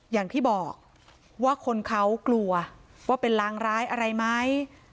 อย่างที่บอกว่าคนเขากลัวว่าเป็นรางร้ายอะไรไหม